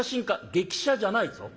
「激写じゃないぞ。